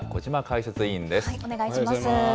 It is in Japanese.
お願いします。